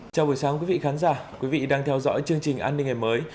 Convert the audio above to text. chào buổi sáng quý vị khán giả quý vị đang theo dõi chương trình an ninh ngày mới